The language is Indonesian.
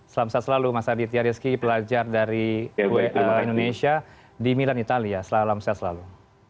selamat siang selalu mas hadi tiarewski pelajar dari indonesia di milan italia selamat siang selalu